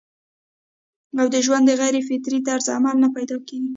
او د ژوند د غېر فطري طرز عمل نه پېدا کيږي